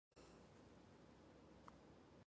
四棱牡丹